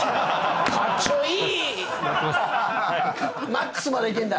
マックスまでいけんだ。